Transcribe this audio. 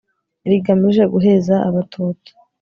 rigamije guheza abatutsi